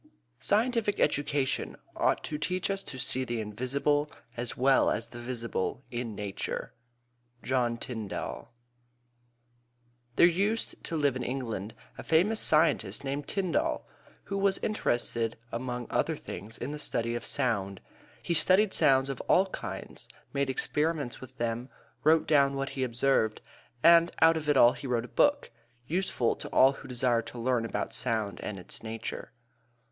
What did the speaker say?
"Scientific education ought to teach us to see the invisible as well as the visible in nature." John Tyndall. There used to live in England a famous scientist named Tyndall, who was interested, among other things, in the study of sound. He studied sounds of all kinds, made experiments with them, wrote down what he observed, and out of it all he wrote a book, useful to all who desire to learn about sound and its nature.